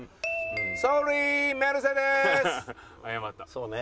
そうね。